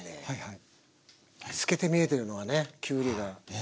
透けて見えてるのがねきゅうりが。